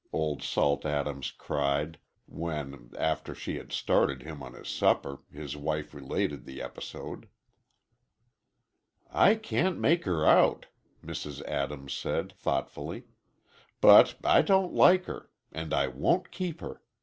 Old Salt Adams cried, when, after she had started him on his supper, his wife related the episode. "I can't make her out," Mrs. Adams said, thoughtfully. "But I don't like her. And I won't keep her.